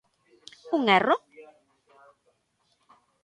Un erro?